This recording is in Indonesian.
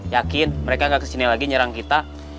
yakin mereka gak kesini lagi nyerang kita